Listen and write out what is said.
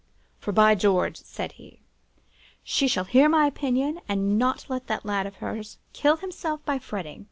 "'For, by George!' said he, 'she shall hear my opinion, and not let that lad of hers kill himself by fretting.